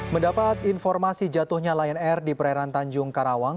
mendapat informasi jatuhnya lion air di perairan tanjung karawang